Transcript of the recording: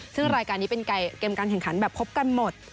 ซึ่งรายการนี้เป็นเกมการแข่งขันแบบพบกันหมด